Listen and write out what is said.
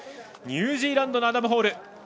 ニュージーランドのアダム・ホール。